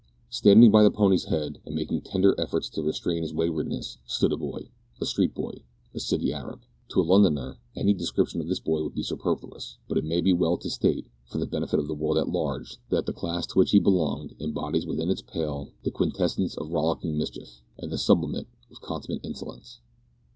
Standing by the pony's head, and making tender efforts to restrain his waywardness, stood a boy a street boy a city Arab. To a Londoner any description of this boy would be superfluous, but it may be well to state, for the benefit of the world at large, that the class to which he belonged embodies within its pale the quintessence of rollicking mischief, and the sublimate of consummate insolence.